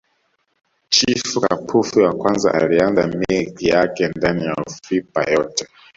Chifu Kapufi wa Kwanza alianza milki yake ndani ya Ufipa yote